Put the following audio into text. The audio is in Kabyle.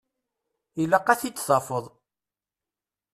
Ilaq ad t-id-tafeḍ.